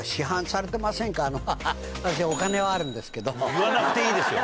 言わなくていいですよ